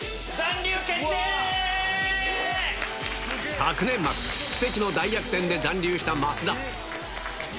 昨年末、奇跡の大逆転で残留した増田。